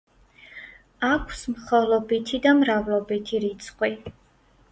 აქვს მხოლობითი და მრავლობითი რიცხვი.